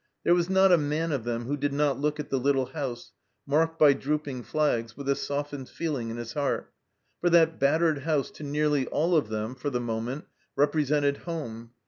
There was not a man of them who did not look at the little house, marked by drooping flags, with a softened feeling in his heart, for that battered house to nearly all of them for the moment represented " home."